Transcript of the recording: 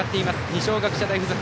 二松学舎大付属